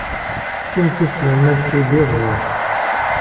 Kemm d taselmadt igerrzen!